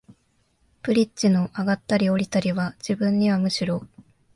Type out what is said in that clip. ブリッジの上ったり降りたりは、自分にはむしろ、